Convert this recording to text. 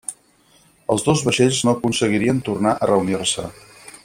Els dos vaixells no aconseguirien tornar a reunir-se.